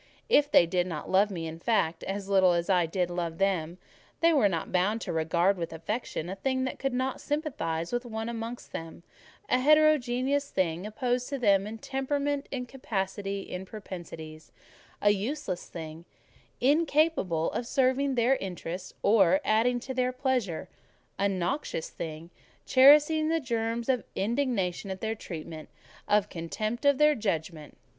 If they did not love me, in fact, as little did I love them. They were not bound to regard with affection a thing that could not sympathise with one amongst them; a heterogeneous thing, opposed to them in temperament, in capacity, in propensities; a useless thing, incapable of serving their interest, or adding to their pleasure; a noxious thing, cherishing the germs of indignation at their treatment, of contempt of their judgment.